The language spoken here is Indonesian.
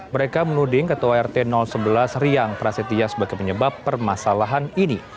mereka menuding ketua rt sebelas riang prasetya sebagai penyebab permasalahan ini